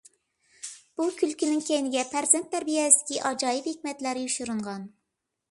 بۇ كۈلكىنىڭ كەينىگە پەرزەنت تەربىيەسىدىكى ئاجايىپ ھېكمەتلەر يوشۇرۇنغان.